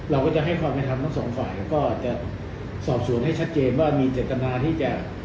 เราก็จะให้ความเป็นธรรมทั้งสองฝ่ายก็จะสอบสวนให้ชัดเจนว่ามีเจตนาที่จะ